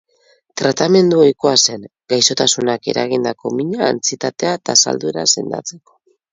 Tratamendu ohikoa zen, gaixotasunak eragindako mina, antsietatea eta asaldura sendatzeko.